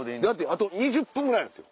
あと２０分ぐらいなんですよ